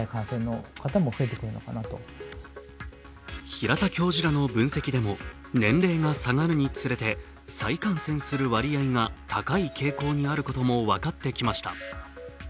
平田教授らの分析でも年齢が下がるにつれて再感染する割合が高い傾向にあることも分かってきました。